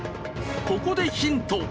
ここでヒント。